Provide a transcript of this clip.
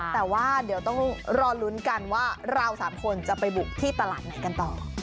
แต่ว่าเดี๋ยวต้องรอลุ้นกันว่าเรา๓คนจะไปบุกที่ตลาดไหนกันต่อ